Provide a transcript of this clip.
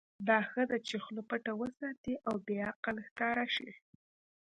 دا ښه ده چې خوله پټه وساتې او بې عقل ښکاره شې.